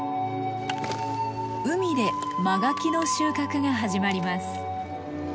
海でマガキの収穫が始まります。